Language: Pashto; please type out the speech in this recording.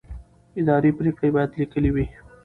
اداري پرېکړې باید لیکلې وي.